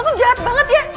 lo tuh jahat banget ya